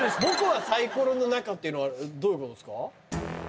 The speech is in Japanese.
僕はサイコロの中っていうのはどういうことですか？